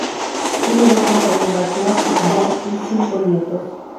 Tiene dos hijos, Václav y Jan, y cinco nietos.